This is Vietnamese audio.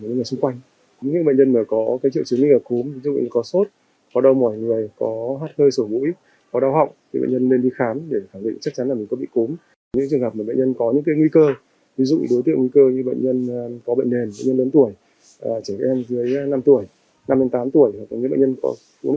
cái nữa là khi bệnh nhân có sự trình cúm thì bệnh nhân phải đi khám để phản định có cúm và dùng các biện pháp cách ly ngăn ngừa để tránh sự lây lan cho cộng đồng